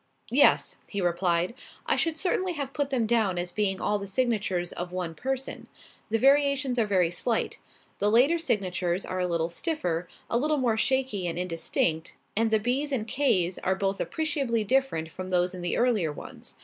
"Yes," he replied. "I should certainly have put them down as being all the signatures of one person. The variations are very slight. The later signatures are a little stiffer, a little more shaky and indistinct, and the B's and k's are both appreciably different from those in the earlier ones.